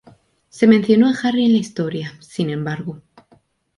Se mencionó a Harry en la historia, sin embargo.